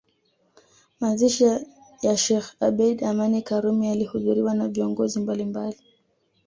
Mazishi ya Sheikh Abeid Amani Karume yalihudhuriwa na viongozi mbalimbali